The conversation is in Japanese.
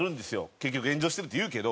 結局炎上してるっていうけど。